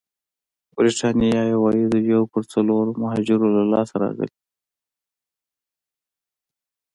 برېتانيا عوايدو یو پر څلورمه مهاجرو لاسته راغلي.